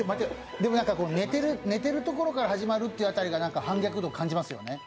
でも、寝てるところから始まるという辺りが反逆度、感じますよね？